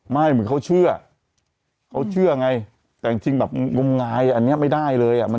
ไม่เขาเชื่อจริงแบบมง้ายอันนี้ไม่ได้เลย